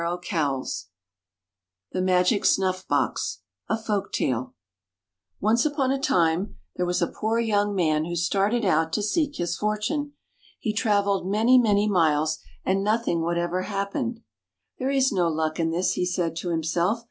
[ 139 ] THE MAGIC SNUFF BOX NCE upon a time there was a poor young man who started out to seek his fortune. He traveled many, many miles, and noth ing whatever happened. " There is no luck in this," he said to himself.